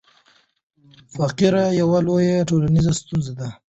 فقر یوه لویه ټولنیزه ستونزه ده.